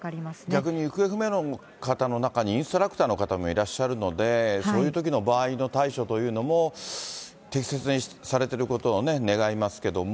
逆に行方不明の方の中に、インストラクターの方もいらっしゃるので、そういうときの場合の対処というのも、適切にされてることを願いますけれども。